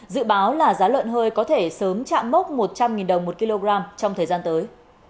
dự báo là giá lợn hơi có thể sớm chạm mốc một trăm linh đồng một kg trong thời gian tới